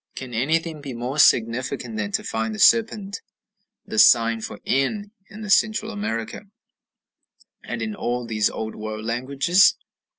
Can anything be more significant than to find the serpent the sign for n in Central America, and in all these Old World languages?